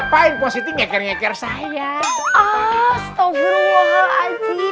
tunggu tunggu kalian enggak belajar kayaknya cewek itu maka begitu tuh iya